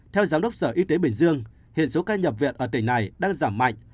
theo giám đốc sở y tế bình dương hiện số ca nhập viện ở tỉnh này đang giảm mạnh